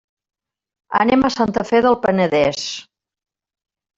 Anem a Santa Fe del Penedès.